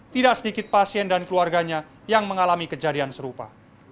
tidak sedikit pasien dan keluarganya yang mengalami kejadian serupa